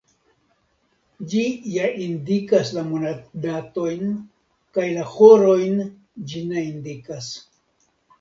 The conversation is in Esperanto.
Ĝi ja indikas la monatdatojn, kaj la horojn ĝi ne indikas.